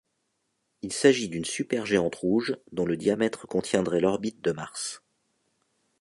Il s'agit d'une supergéante rouge, dont le diamètre contiendrait l'orbite de Mars.